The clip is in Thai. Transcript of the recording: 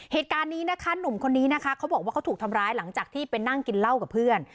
เหตุการณ์นี้นะคะหนุ่มคนนี้นะคะเขาบอกว่าเขาถูกทำร้ายหลังจากที่ไปนั่งกินเหล้ากับเพื่อน